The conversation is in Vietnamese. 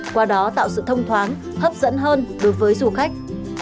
qua đó tạo sự thông thoáng hấp dẫn hơn đối với du khách